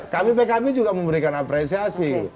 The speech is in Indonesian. kami pkb juga memberikan apresiasi